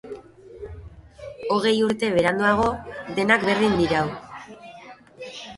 Hogei urte beranduago, denak berdin dirau.